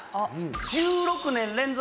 １６年連続